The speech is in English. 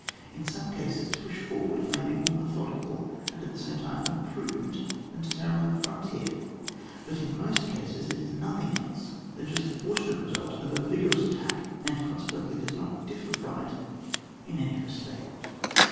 In some cases, to push forward may be more methodical, and at the same time more prudent than to tarry on the frontier, but in most cases it is nothing else than just the fortunate result of a vigorous attack, and coDse quently does not difiEer from it in any respect.